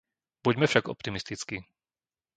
Buďme však optimistickí.